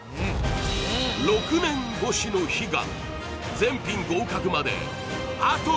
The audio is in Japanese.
６年越しの悲願